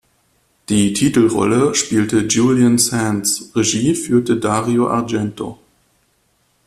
Die Titelrolle spielte Julian Sands, Regie führte Dario Argento.